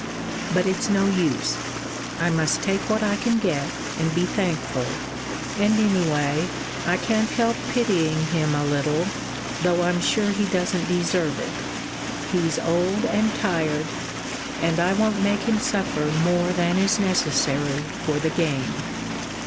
But it's no use; I must take what I can get, and be thankful; and, anyway, I can't help pitying him a little, though I'm sure he doesn't deserve it. He's old and tired, and I won't make him suffer more than is necessary for the game."